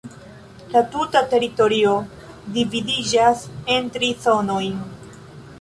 La tuta teritorio dividiĝas en tri zonojn.